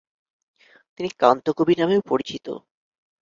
তিনি কান্ত কবি নামেও পরিচিত।